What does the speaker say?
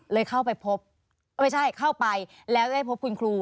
เลยเข้าไปแล้วได้ได้พบคุณครู